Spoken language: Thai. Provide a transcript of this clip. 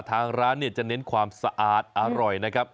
ทางร้านจะเน้นความสะอาดอร่อยนะครับ